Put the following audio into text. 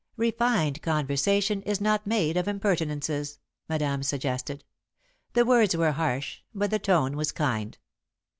"Refined conversation is not made of impertinences," Madame suggested. The words were harsh, but the tone was kind.